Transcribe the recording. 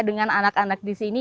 dengan anak anak di sini